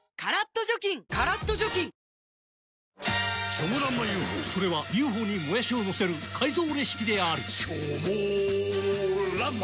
チョモランマＵ．Ｆ．Ｏ．それは「Ｕ．Ｆ．Ｏ．」にもやしをのせる改造レシピであるチョモランマ